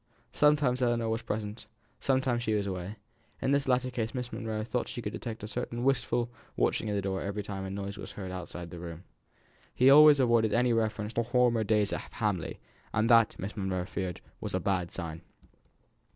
Sometimes Ellinor was present, sometimes she was away; in this latter case Miss Monro thought she could detect a certain wistful watching of the door every time a noise was heard outside the room. He always avoided any reference to former days at Hamley, and that, Miss Monro feared, was a bad sign.